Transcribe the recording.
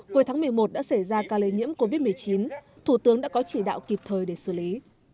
cuối tháng một mươi một đã xảy ra ca lây nhiễm covid một mươi chín thủ tướng đã có chỉ đạo kịp thời để xử lý